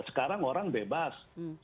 sekarang orang bebas